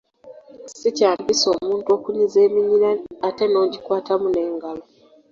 Si kya mpisa omuntu okunyiza eminyira ate n’ogikwatamu n’engalo.